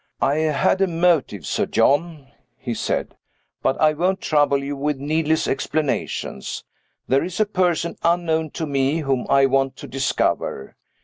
"I had a motive, Sir John," he said, "but I won't trouble you with needless explanations. There is a person, unknown to me, whom I want to discover.